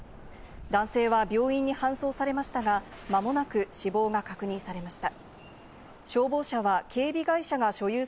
男性は病院に搬送されましたが、間もなく死亡が確認されました。